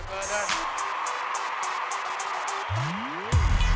แทนสู่